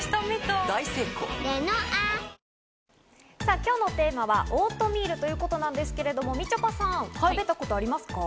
今日のテーマはオートミールということなんですけど、みちょぱさん、食べたことありますか？